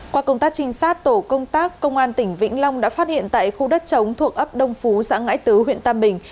qua công tác trinh sát tổ công tác công an tỉnh vĩnh long đã phát hiện tại khu đất chống thuộc ấp đông phú xã ngãi tứ huyện tam bình